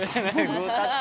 グータッチ。